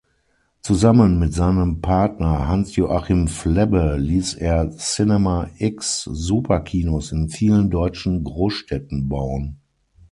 Zusammen mit seinem Partner Hans-Joachim Flebbe ließ er CinemaxX-Superkinos in vielen deutschen Großstädten bauen.